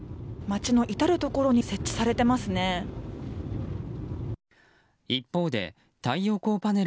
街の至るところに設置されていますね。